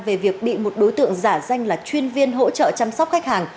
về việc bị một đối tượng giả danh là chuyên viên hỗ trợ chăm sóc khách hàng